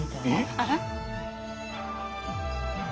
あら？